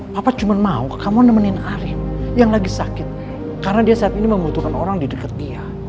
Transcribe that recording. papa cuma mau kamu nemenin arin yang lagi sakit karena dia saat ini membutuhkan orang di dekat dia